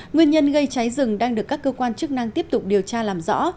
nguyên nhân gây cháy rừng đang được các cơ quan chức năng tiếp tục điều tra làm rõ